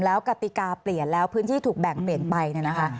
แล้วกติกาเปลี่ยนแล้วพื้นที่ถูกแบ่งเปลี่ยนไปเนี่ยนะคะ